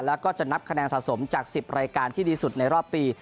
แล้วก็จะนับคะแนนสะสมจาก๑๐รายการที่ดีสุดในรอบปี